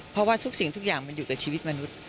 เพราะว่าทุกสิ่งทุกอย่างมันอยู่กับชีวิตมนุษย์